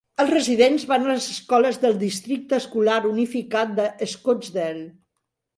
Els residents van a les escoles del districte escolar unificat de Scottsdale.